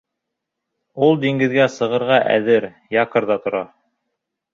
Ул диңгеҙгә сығырға әҙер, якорҙа тора.